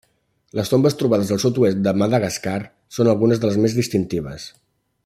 Les tombes trobades al sud-oest de Madagascar són algunes de les més distintives.